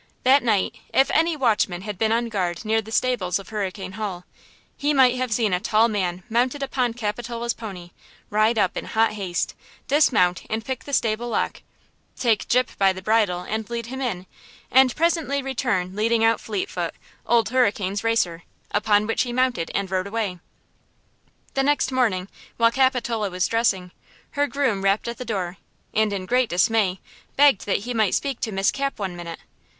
That night, if any watchman had been on guard near the stables of Hurricane Hall, he might have seen a tall man mounted upon Capitola's pony, ride up in hot haste, dismount and pick the stable lock, take Gyp by the bridle and lead him in, and presently return leading out Fleetfoot, Old Hurricane's racer, upon which he mounted and rode away. The next morning, while Capitola was dressing, her groom rapped at the door and, in great dismay, begged that he might speak to Miss Cap one minute.